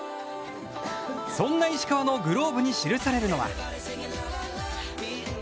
そんな石川のグローブに記されるのは。